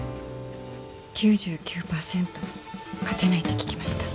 ９９％勝てないって聞きました。